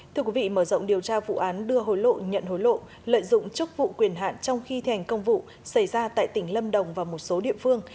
thưa quý vị mở rộng điều tra vụ án đưa hồi lộ nhận hối lộ lợi dụng chức vụ quyền hạn trong khi thành công vụ xảy ra tại tỉnh lâm đồng và một số địa phương